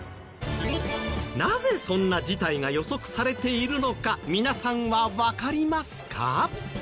なぜそんな事態が予測されているのか皆さんはわかりますか？